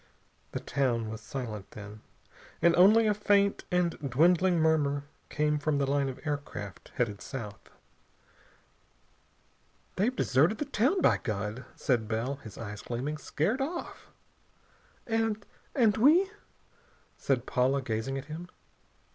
The town was silent, then, and only a faint and dwindling murmur came from the line of aircraft headed south. "They've deserted the town, by God!" said Bell, his eyes gleaming. "Scared off!" "And and we " said Paula, gazing at him.